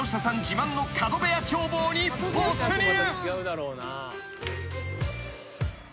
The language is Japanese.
自慢の角部屋眺望に没入］